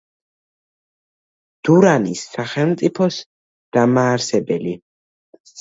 დურანის სახელმწიფოს დამაარსებელი.